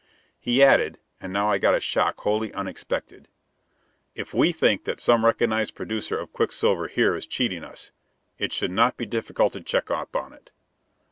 He added and now I got a shock wholly unexpected: "If we think that some recognized producer of quicksilver here is cheating us, it should not be difficult to check up on it.